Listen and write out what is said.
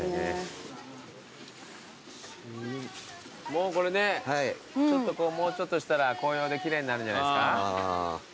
もうこれねちょっとこうもうちょっとしたら紅葉で奇麗になるんじゃないですか？ねぇ。